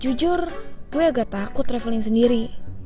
jujur gue agak takut traveling sendiri